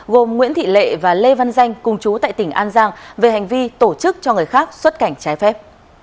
gồm nguyễn thị lệ và lê văn danh cùng chú tại tỉnh an giang về hành vi tổ chức cho người khác xuất cảnh trái phép